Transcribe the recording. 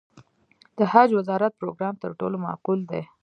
د حج وزارت پروګرام تر ټولو معقول دی.